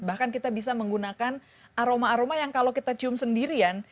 bahkan kita bisa menggunakan aroma aroma yang kalau kita cium sendirian